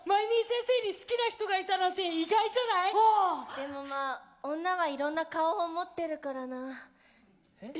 でもまあ女はいろんな顔を持ってるからな。え？え？